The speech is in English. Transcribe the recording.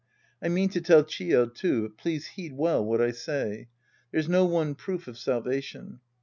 I mean to tell Chi5, too, but please heed well what I say. There's no one proof of salvation.